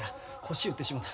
腰打ってしもた。